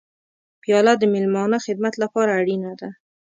پیاله د میلمانه خدمت لپاره اړینه ده.